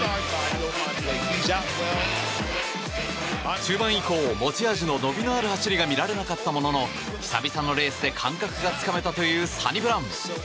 中盤以降持ち味の伸びのある走りが見られなかったものの久々のレースで感覚がつかめたというサニブラウン。